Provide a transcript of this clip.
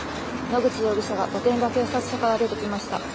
野口容疑者が御殿場警察署から出てきました。